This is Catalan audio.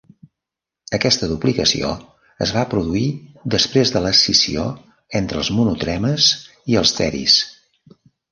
Aquesta duplicació es va produir després de l'escissió entre els monotremes i els teris.